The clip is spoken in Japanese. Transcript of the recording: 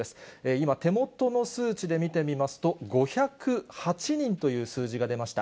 今、手元の数値で見てみますと、５０８人という数字が出ました。